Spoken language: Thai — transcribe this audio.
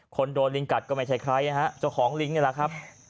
คนโดตริงกัดก็ไม่ใช่ใครจ้ะจ้าโขลาลิ่วนี้ละครับ